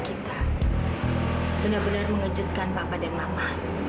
kita benar benar mengejutkan bapak dan mama